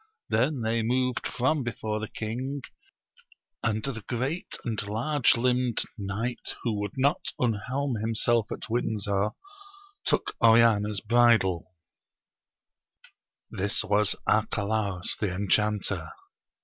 Then they moved from before the king, and the great and large limbed knight who would not unhelm himself at Windsor, took Oriana's bridle : this was Arcalaus the enchanter.